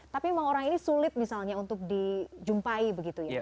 tapi memang orang ini sulit misalnya untuk dijumpai begitu ya